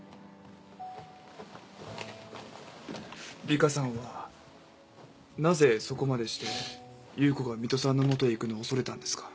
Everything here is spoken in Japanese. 梨花さんはなぜそこまでして優子が水戸さんの元へ行くのを恐れたんですか？